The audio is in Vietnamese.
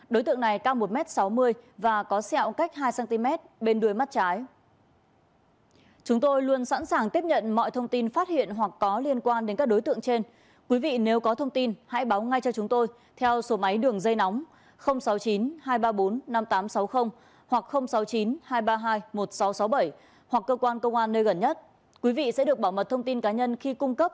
đối tượng này cao một m sáu mươi và có xẹo cách hai cm bên đuôi mắt trái